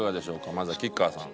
まずは吉川さん。